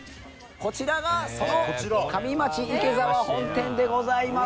こちらがその「上町池澤本店」でございます。